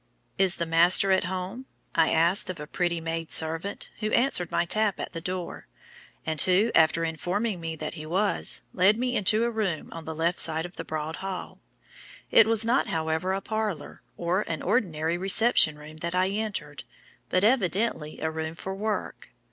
"'Is the master at home?' I asked of a pretty maid servant, who answered my tap at the door; and who, after informing me that he was, led me into a room on the left side of the broad hall. It was not, however, a parlour, or an ordinary reception room that I entered, but evidently a room for work.